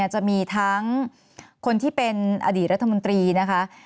จะมีทั้งคนที่เป็นอดีตรัฐมนตรีนะคะ